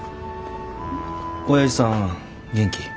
おやじさん元気？